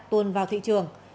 tôn vào thị trường